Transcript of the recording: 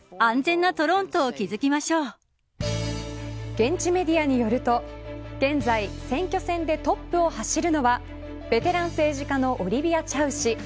現地メディアによると現在、選挙戦でトップを走るのはベテラン政治家のオリビア・チャウ氏。